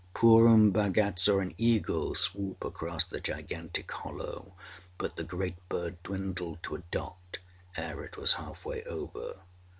Purun Bhagat saw an eagle swoop across the gigantic hollow, but the great bird dwindled to a dot ere it was half way over.